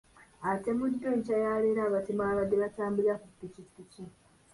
Atemuddwa enkya ya leero abatemu ababadde batambulira ku ppikipiki .